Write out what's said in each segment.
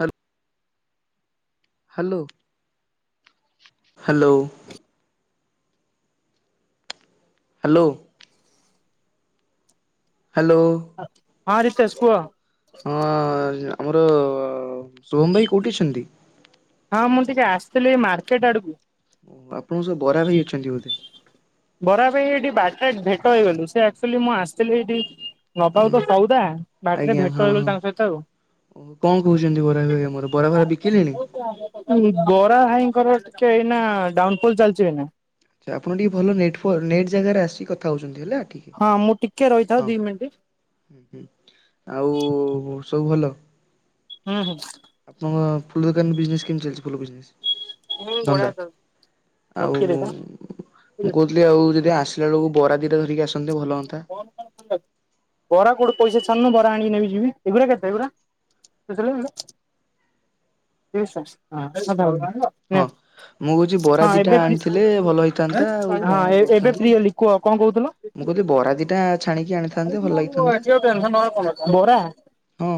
ହ୍ୟାଲ୍ hello, hello. Hello. Hello. ହା ହଁ ରିତେଶ କୁହ। ହଁ, ଆମର ସୋମ ଭାଇ କୋଉଠି ଅଛନ୍ତି? ହଁ ମୁଁ ଟିକେ ଆସିଥିଲି ଏଇ ମାର୍କେଟ ଆଡ଼କୁ। ଓ ଆପଣଙ୍କ ବରା ଭାଇ ଅଛନ୍ତି ବୋଧେ। ବରା ପାଇଁ ଏଇଠି ବାଟରେ ଭେଟ ହେଇଗଲୁ ସେ ଆକ୍ଚୁଆଲି ମୁଁ ଆସିଥିଲି ଏଇଠି ନବାକୁ ତ ସଉଦା ବାଟରେ ଆଜ୍ଞା ହଁ ଭେଟ ହେଇଗଲୁ ହଁ। ତାଙ୍କ ସହିତ ଆଉ। କଣ କହୁଚନ୍ତି ବରା ଭାଇ ଆମର ବରା, ଫରା ବିକିଲେଣି? ବରା ଭାଇଙ୍କର ଟିକେ ଏଇନା ଡାଉନଫଲ୍ ଚାଲିଛି ଏଇନା। ଆପଣ ଟିକେ ଭଲ ନେଟ୍ ଫ ନେଟ୍ ଜାଗାରେ ଆସି କଥାହଉଛନ୍ତି ହେଲା ଠିକ୍। ହଁ, ମୁଁ ଟିକେ ରହିଥାଉ ହଁ ଦି ମିନିଟ୍। ଆଉ ସବୁ ଭଲ? ହୁଁ, ହୁଁ, ଆପଣଙ୍କ ଫୁଲ ଦୋକାନ ବିଜନେସ କେମିତି ଚାଲିଛି ଫୁଲ ବିଜନେସ୍? ହୁଁ ବଢିଆ ଧନ୍ଦା ଚାଲିଛି ଆଉ ମୁଡ଼କି ଦେଇଥା। ମୁଁ କ ହୁଥିଲି ଆଉ ଯଦି ଆସିଲା ବେଳକୁ ବରା ଦିଟା ଧିରିକି ଆସ ବରା କୋଉଠି ପଇସା ଛାନୁ ବରା ଆଣିକ ନେବି ଯିବି ଏଗୁଡା କେତେ ଏଗୁଡା [unintelligible] ହଁ ମୁଁ କହୁଛି ବରା ହଁ, ଦିଟା ଏବେ ଫ୍ରି ଆଣିଥିଲେ ଭଲ ହେଇଥାନ୍ତା ଆଉ ହଁ, କଣ ଏବେ କରୁଛନ୍ତି? ଫ୍ରି ହେଲି। କୁହ କଣ କହୁଥିଲ? ମୁଁ କହୁଥିଲି ବରା ଦିଟା ଛାଣିକି ଆଣିଥା ବରା, ହଁ।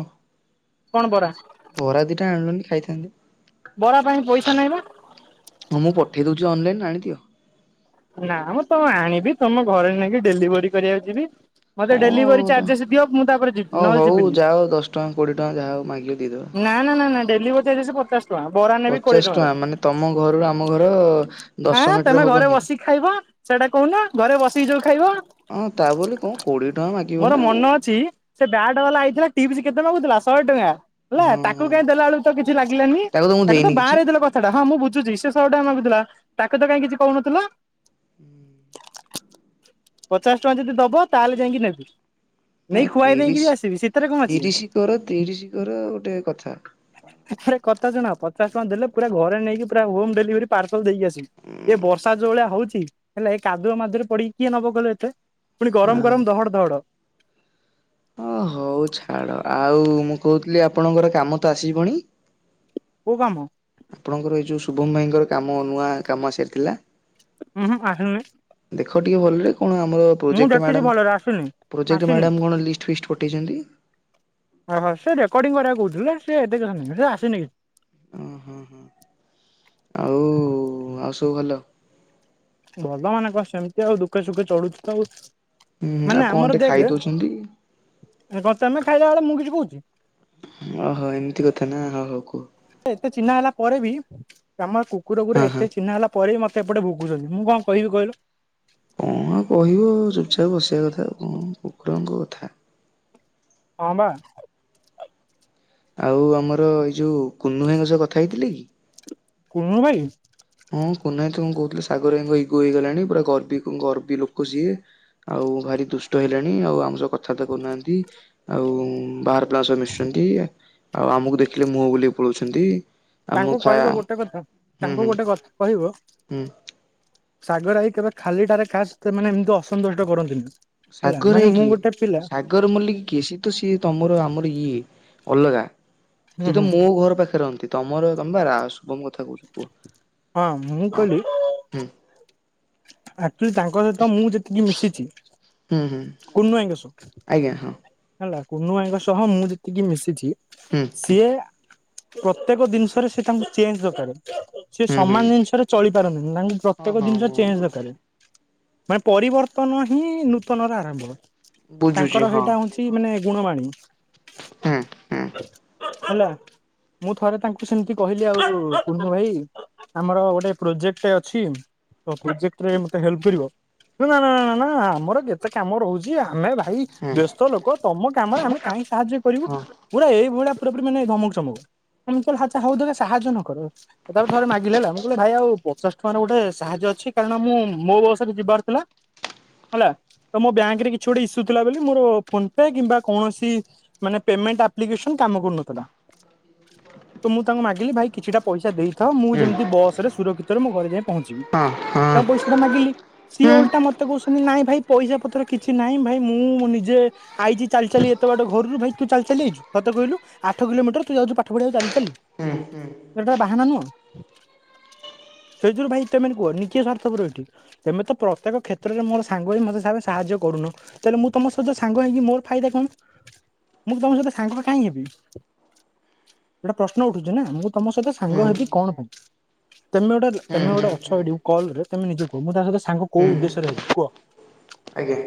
କଣ ବରା? ବରା ଦିଟା ଆଣିଲୁନି ଖାଇଥାନ୍ତି। ବରା ପାଇଁ ପଇସା ନାହିଁ ବା। ହଁ ମୁଁ ପଠେଇ ଦଉଛି ଅନଲାଇନ ଆଣିିଦିଅ। ନା ମ ତମ ଆଣିବି ତମ ଘରେ ନେଇକି ଡେଲିଭରି କରିବାକୁ ଯିବି। ମୋତେ ଡେଲିଭରି କଣ ଚାର୍ଜେସ୍ ଦିଅ ମୁଁ ତାପରେ ଯିବି, ହଉ ନହେଲେ ହଉ ଯିବିନି। ନା, ଯାଅ ଦଶ ଟଙ୍କା କୋଡିଏ ଟଙ୍କା ଯାହା ହଉ ମାଗିବ ଦେଇଦବା। ନା, ନା, ନା, ଡେଲିଭରି ଚାର୍ଜେସ୍ ପଚାଶ ବରା ନେବି କୋଡିଏ ପଚାଶ ଟଙ୍କାର ଟଙ୍କା ମାନେ ତମ ଘରରୁ ଆମ ଘର ଆଁ ଦଶ ତମେ ମିଟର ଘରେ ହବନି? ବସିକି ଖାଇବ ସେଇଟା କହୁନ ଘରେ ବସିକି ଯୋଉ ଖାଇବ? ହଁ ତା ବୋଲି କଣ କୋଡିଏ ଟଙ୍କା ମାଗିବ ମୋର ନା ଆଉ ମନ ଅଛି ସେ ବ୍ୟାଟ ବାଲା ଆଇଥିଲା ଟିପସ କେତେ ମାଗୁଥିଲା ଶହେ ଟଙ୍କା। ହେଲା ତାକୁ ହଁ କାଇଁ ଦେଲା ବେଳକୁ ତ କିଛି ଲାଗିଲାନି ମୁଁ ତାକୁ ତ ଦେଇନି କିଛି। ବାହାରେଇ ଦେ ସେଟା ହଁ ମୁଁ ବୁଝୁଛି ସେ ଶହେ ଟଙ୍କା ମାଗୁଥିଲା ତାକୁ ତ କାଇଁ କିଛି କହୁନଥିଲ? ପଚାଶ ଟଙ୍କା ଯଦି ଦବ ତାହେଲେ ଯାଇକି ନେବି। ନେଇ ନାଇଁ ଖୁଆଇ ଦେଇକି ବି ତିରିଶ, ଆସିବି ସେଥିରେ କଣ ଅଛି ତିରିଶ କର, ତିରିଶ କର ଗୋଟେ କଥା। ଆରେ କଥା ଶୁଣ ପଚାଶ ଟଙ୍କା ଦେଲେ ପୁରା ଘରେ ନେଇକି ପୁରା ହୋମ ଡେଲିଭରି ପାର୍ସଲ ଦେଇକି ଆସିବି। ଏ ବର୍ଷା ଯୋଉ ଭଳିଆ ହଉଛି ହେଲା ଏ କାଦୁଅ ମାଦୁଅରେ ପଡି କିଏ ନବ କହିଲ ଏତେ ପୁଣି ଗରମ, ହଁ। ଗରମ ଦହଡ, ଦହଡ। ଓ ହଉ ଛାଡ ଆଉ ମୁଁ କହୁଥିଲି ଆପଣଙ୍କର କାମ ତ ଆସିଯିବଣି? କୋଉ କାମ? ଆପଣଙ୍କର ଏଇ ଯୋଉ ଶୁଭମ ଭାଇଙ୍କର କାମ ନୂଆ କାମ ଆସିଥିଲା। ଉହୁଁ ଆ ଦେଖ ଟିକେ ଭଲରେ କଣ ଆମର ମୁଁ ପ୍ରୋଜେକ୍ଟ ଦେଖିଛି ମ୍ୟାଡ଼ାମ ଭଲରେ ଆସିନି। ପ୍ରୋଜେକ୍ଟ ମ୍ୟାଡ଼ାାମ କଣ ଲିଷ୍ଟ ଫିଷ୍ଟ ପଠେଇଛନ୍ତି? ଓହୋ ସେ ରେକର୍ଡିଂ କରିବାକୁ କହୁଥିଲେ ସେ ଏତେଛନ୍ତି ସେ ଆସିନି। ଓ ହୋ! ଆଉ ଆଉ ସବୁ ଭଲ? ଭଲ ମାନେ କଣ? ସେମିତି ଆଉ। ଦୁଃଖେ ସୁଖେ ଚଳୁଛୁ ତ ଆଉ। ହୁଁ ଆଉ ମାନେ କଣ ଟେ ଆମର ଖାଇ ଦେଖେ, ଦଉଛନ୍ତି କଣ ତମେ ଖାଇଲା ବେଳେ ମୁଁ କିଛି କହୁଛି? ଓହୋ ଏମିତି କଥା ନା, ହଉ ହଉ କୁହ। ଏତେ ଚିହ୍ନା ହେଲା ପରେ ବି ଆମ ଏ କୁକୁର ଗୁରା ହଁ ହଁ ଏତେ ଚିହ୍ନା ହେଲା ପ ପରେବି ମତେ ଏପଟେ ଭୁକୁଛନ୍ତି। ମୁଁ କଣ କହିବି କହିଲ? କଣ ଆଉ କହିବ? ଚୁପଚାପ ବସିବା କଥା ଆଉ କଣ କୁକୁରଙ୍କ କଥା? ହଁ ବା। ଆଉ ଆମର ଏଇ ଯଉ କୁନୁ ଭାଇଙ୍କ ସହ କଥା ହେଇଥିଲେ କି? କୁନୁ ଭାଇ? ହଁ କୁନା ଭାଇ କି ମୁଁ କହୁଥିଲି ସାଗର ଭାଇଙ୍କ ଇଗୋ ହେଇଗଲାଣି, ପୁରା ଗର୍ବୀ ଗର୍ବୀ ଲୋକ ସିଏ। ଆଉ ଭାରି ଦୁଷ୍ଟ ହେଲେଣି। ଆଉ ଆମ ସହ କଥାଆର୍ତ୍ତା କରୁନାହାଁନ୍ତି। ଆଉ ବାହାର ପିଲାଙ୍କ ସହ ମିଶୁଛନ୍ତି, ଆଉ ଆମୁକୁ ଦେଖିଲେ ମୁହଁ ବୁଲେଇ ପଳଉଛନ୍ତି। ଆମ ତାଙ୍କୁ ଖା କହିବ ଗୋଟେ କଥା। ହୁଁ ହୁଁ ତାଙ୍କୁ ଗୋଟେ କଥା କହିବ। ହୁଁ। ସାଗରଭାଇ କେବେ ଖାଲିଟାରେ କାହା ସହିତ ମାନେ ଏମିତି ଅସୁନ୍ଦରଟେ କରନ୍ତିନି ହେଲା, ମାନେ ମୁଁ ଗୋଟେ ପିଲା ଗୌରମଲ୍ଲିକ୍ କିଏ? ସିଏ ତ ସିଏ ତମର ଆମର ଇଏ ଅଲଗା। ହୁଁ ସିଏ ତ ହୁଁ ମୋ ଘର ପାଖେ ରହନ୍ତି। ତମର ତମେ ପା ରା ଶୁଭମ୍ କ କଥା କହୁଚ କୁହ। ହଁ ମୁଁ ହଁ କହିଲି ହୁଁ। ଆର୍ଟଲି ତାଙ୍କ ସହିତ ମୁଁ ଯେତିକି ମିଶିଚି ହୁଁ ହୁଁ। କୁନୁଭାଇଙ୍କସହ। ଆଜ୍ଞା, ହଁ। ହେଲା, କୁନୁ ଭାଇଙ୍କ ସହ ମୁଁ ଯେତିକି ମିଶିଛି ହୁଁ ସିଏ ପ୍ରତ୍ୟେକ ଦିନିଷରେ ସେ ତାଙ୍କୁ ଚେଞ୍ଜ ଦରକାରେ। ସେ ହୁଁ ହୁଁ ସମାନ ଜିନଷରେ ଚଳି ପାରନ୍ତିିନି ନାଇଁ। ହଁ ପ୍ରତ୍ୟେକ ହଁ ଦିନିଷ ମୁଁ ଚେଞ୍ଜ ବୁଝୁଛି। ଦରକାରେ। ମାନେ ପରିବର୍ତ୍ତନ ହିଁ ନୂତନର ଆରମ୍ଭ। ବୁଝୁଛି ତାଙ୍କର ହଁ। ହେଇଟା ହୋଉଛି ମାନେ ଗୁଣବାଣୀ। ହେଲା। ମୁଁ ଥରେ ତାଙ୍କୁ ସେମତି କହିଲି ଆଉ କୁନୁ ଭାଇ ଆମର ଗୋଟେ ପ୍ରୋଜେକ୍ଟ ଅଛି। ତ ପ୍ରୋଜେକ୍ଟରେ ମତେ ହେଲ୍ପକରିବ? ନା- ନା- ନା -ନା -ନା ଆମର କେତେ କାମ ରହୁଛି। ଆମେ ଭାଇ ହେଁ। ଛୋଟୋ ଲୋକୋ। ତମ କାମରେ ଆମେ କାହିଁକି ସାହାଯ୍ୟ କରିବୁ? ପୁରା ଏଇଭଳିଆ ପୁରାପୁରି ମାନେ ଧମକ୍ ଚମକ। ମୁଁ କହିଲି ହାଚ୍ଛା ହଉ ତମେ ସାହାଯ୍ୟ ନ କର। ଏ ତାକୁ ଥରେ ମାଗିଲି ହେଲା, ମୁଁ କହିଲି ଭାଇ ଆଉ ପଚାଶ ଟଙ୍କାର ଗୋଟେ ସାହାଯ୍ୟ ଅଛି? କାରଣ ମୁଁ ମୋ ବସ୍ ରେ ଯିବାର ଥିଲା। ହେଲା ତ ମୋ ବ୍ୟାଙ୍କ ରେ କିଛି ଗୋଟେ ଇସୁ ଥିଲା ବୋଲି ମୋର ଫୋନ୍ ପେ କିମ୍ବା କୌଣସି ମାନେ ପେମେଣ୍ଟ ଆପ୍ଲିକେସନ କାମ କରୁନଥିଲା। ତ ମୁଁ ତାଙ୍କୁ ମାଗିଲି ଭାଇ କିଛିଟା ପଇସା ଦେଇ ଥାଅ ମୁଁ ଯେମିତି ବସ୍ ରେ ସୁରକ୍ଷିତରେ ମୋ ଘରେ ଯାଇ ପହଞ୍ଚିବି। ତାଙ୍କ ପଇସା ହେଟା ମାଗିଲି। ସିଏ ଓଲଟା ମତେ କହୁଛନ୍ତି ନାଇଁ ଭାଇ ପଇସା ପତର କିଛି ନାହିଁ ଭାଇ ମୁଁ ମ ନିଜେ ଆଇଚି ଚାଲି ଚାଲି ଏତେ ବାଟ ଘରୁରୁ। ଭାଇ ତୁ ଚାଲି ଆଇଚୁ ସତ କହିଲୁ? ଆଠ କିଲୋମିଟର ତୁ ଯାଉଚୁ ପାଠ ପଢିଆକୁ ଚାଲି ଚାଲି। ଏଟା ବାହାନା ନୁହଁ? ସେଇଥୁରୁ ଭାଇ ତେମେନେ କୁହ, ନିିକେ ସ୍ୱାର୍ଥପର ଏଠି। ତେମେ ତ ପ୍ରତ୍ୟେକ କ୍ଷେତ୍ରରେ ମୋର ସାଙ୍ଗ ହୋଇ ମତେ ଶଳେ ସାହାଯ୍ୟ କରୁନ, ତାହେଲେ ମୁଁ ତମ ସହିତ ସାଙ୍ଗ ହେଇକି ମୋର ଫାଇଦା କଣ? ମୁଁ ତ ତମ ସହିତ ସାଙ୍ଗ କାହିଁ ହେବି? ଏଇଟା ପ୍ରଶ୍ନ ଉଠୁଛିୁ ନା, ମୁଁ ତମ ସଇତ ସାଙ୍ଗ ହେବି କଣ ପାଇଁ? ତେମେ ଗୋଟେ, ତେମେ ଗୋଟେ ଅଛ ଏଠି କଲ୍ ରେ ତେମେ ନିଜେ କୁଅ, ମୁଁ ତା ସହିତ ସାଙ୍ଗ କୋଉ ଉଦେଶ୍ୟରେ ହେବି କୁଅ। ଆଜ୍ଞା।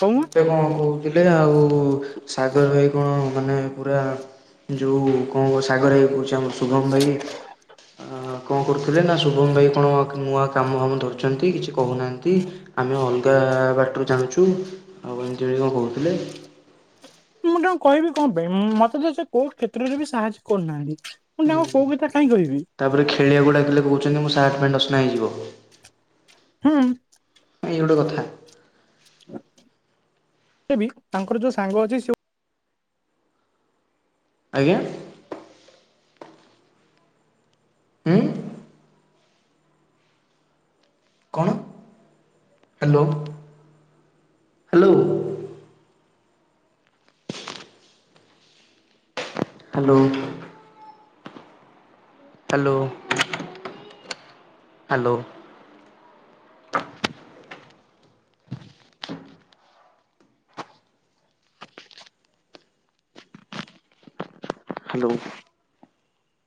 କହୁନ ମତେ କଣ କୋଉଥିଲେ ଆ-ଉ-ଉ-ସାଗର ଭାଇ କଣ ମାନେ ପୁରା ଯୋଉ କଅଁ ସାଗର ଆଇ କୋହୁଛି ଆମ ଶୁଭମ ଭାଇ ଆ କଁ କରୁଥିଲେ ନା ଶୁଭମ୍ ଭାଇ କଣ କ ନୂଆ କାମ ଫାମ ଧରୁଚନ୍ତି କିଛି କୋହୁନାଆଁନ୍ତି। ଆମେ ଅଲ୍ଗା ବାଟୁରୁ ଜାଣୁଚୁ, ଆଉ ଏମ୍ତି ବି କଁ କୋହୁଥିଲେ। ମୁଁ ତାଙ୍କୁ କହିବି କଅଁ ପାଇଁ। ମୁଁ ମତେ ତ ସେ କୋଉ କ୍ଷେତ୍ରରେ ବି ସାହାଯ୍ୟ କରିନାହାଁନ୍ତି। ମୁଁ ତାଙ୍କୁ କୋଉ କଥା କାହିଁକି କହିବି। ତାପରେ ଖେଳିଆକୁ ଡାକିଲେ କୋହୁଛନ୍ତି, ମୋ ସାର୍ଟ ପ୍ୟାଣ୍ଟ ଅସ୍ନା ହେଇଯିବ। ହୁଁ। ଏଇ ଗୋଟେ କଥା। ଦେବି ତାଙ୍କର ଯୋଉ ସାଙ୍ଗ ଅଛି [unintelligible] ଆଜ୍ଞା? ଉୁଁ? କଣ? Hello hello. Hello. Hello. Hello. Hello.